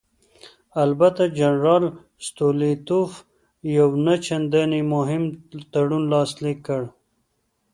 البته جنرال ستولیتوف یو نه چندانې مهم تړون لاسلیک کړ.